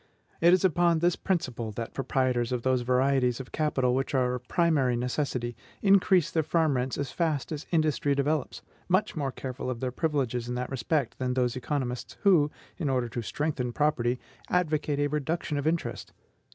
It is upon this principle that proprietors of those varieties of capital which are of primary necessity increase their farm rents as fast as industry develops, much more careful of their privileges in that respect, than those economists who, in order to strengthen property, advocate a reduction of interest.